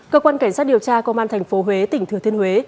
cơ quan cảnh sát điều tra công an tp huế tỉnh thừa thiên huế